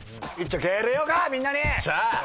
気合入れようかみんなに！